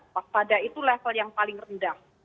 waspada itu level yang paling rendah